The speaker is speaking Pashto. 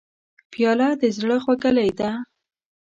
پیاله د زړه خوږلۍ ده.